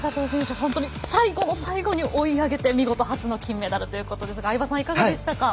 本当に最後の最後に追い上げて見事初の金メダルということで相葉さんいかがですか。